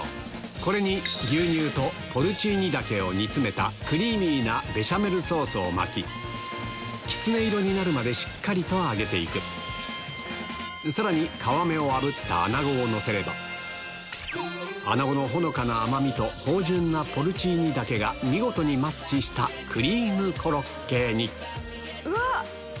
これに牛乳とポルチーニ茸を煮つめたクリーミーなベシャメルソースを巻ききつね色になるまでしっかりと揚げていくさらに皮目をあぶったアナゴをのせればアナゴのほのかな甘みと芳醇なポルチーニ茸が見事にマッチしたクリームコロッケにうわ！